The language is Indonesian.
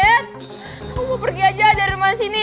aku mau pergi aja dari rumah sini